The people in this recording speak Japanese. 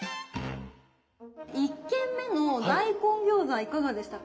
１軒目の大根餃子いかがでしたか？